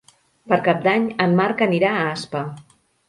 Per Cap d'Any en Marc anirà a Aspa.